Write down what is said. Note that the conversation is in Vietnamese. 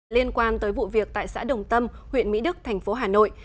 liên quan tới vụ việc tại xã đồng tâm huyện mỹ đức thành phố hà nội